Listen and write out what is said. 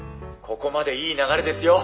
ここまでいい流れですよ。